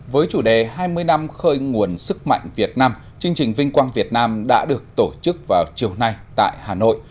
với chủ đề hai mươi năm khơi nguồn sức mạnh việt nam chương trình vinh quang việt nam đã được tổ chức vào chiều nay tại hà nội